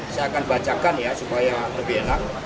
saya akan bacakan ya supaya lebih enak